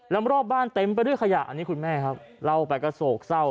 แล้วรอบบ้านเต็มไปด้วยขยะอันนี้คุณแม่ครับเล่าไปก็โศกเศร้า